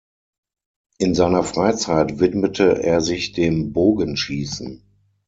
In seiner Freizeit widmete er sich dem Bogenschießen.